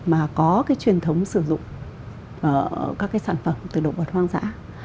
mà có truyền thống sử dụng các sản phẩm từ độc vật hoang dã